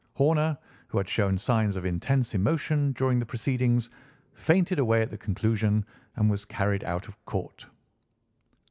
Horner, who had shown signs of intense emotion during the proceedings, fainted away at the conclusion and was carried out of court."